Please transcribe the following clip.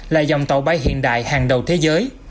là dòng tàu bay hiện đại hàng đầu thế giới